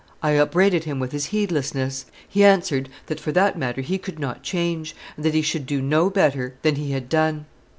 I upbraided him with his heedlessness; he answered that for that matter he could not change, and that he should do no better than he had done.